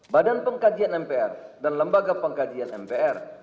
badan pengkajian mpr dan lembaga pengkajian mpr